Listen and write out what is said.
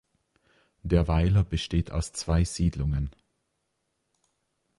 Der Weiler besteht aus zwei Siedlungen.